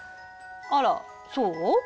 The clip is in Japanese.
あらそう？